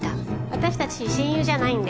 私たち親友じゃないんで。